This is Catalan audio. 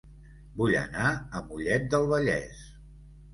Vull anar a Mollet del Vallès